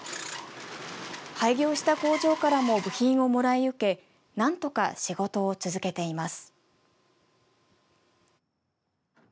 廃業した工場からも部品をもらい受けなんとか仕事を続けています。